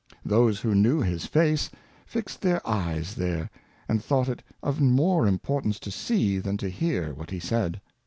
Those who knew his Face, fixed their Eyes there ; and thought it of more Importauca^to see, than to hear what he said.